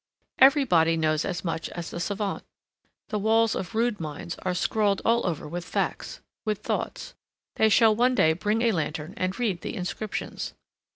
Every body knows as much as the savant. The walls of rude minds are scrawled all over with facts, with thoughts. They shall one day bring a lantern and read the inscriptions.